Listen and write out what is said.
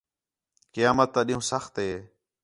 قیامت تا ݙِین٘ہوں سخت ہے